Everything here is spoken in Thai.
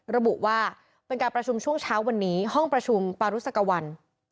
ระบุว่าเป็นการประชุมช่วงเช้าวันนี้ห้องประชุมปารุสกวัล